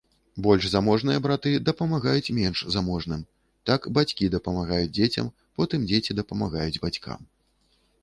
Больш заможныя браты дапамагаюць менш заможным, так бацькі дапамагаюць дзецям, потым дзеці дапамагаюць бацькам.